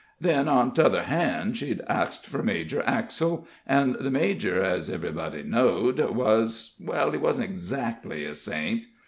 Then, on t'other hand, she'd axed for Major Axel, and the major, ez everybody know'd, was well, he wasn't 'xactly a saint.